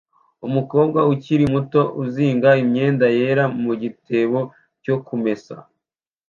Umukobwa ukiri muto uzinga imyenda yera mu gitebo cyo kumesa